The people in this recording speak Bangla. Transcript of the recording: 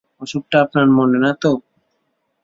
অসুখটা আপনার মনে না তো?